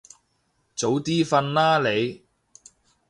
早啲瞓啦你